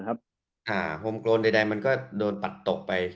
โฮมโกนใดมันก็โดนปัดตกไป